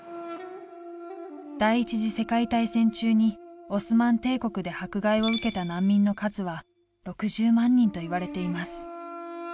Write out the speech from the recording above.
第一次世界大戦中にオスマン帝国で迫害を受けた難民の数は６０万人といわれています。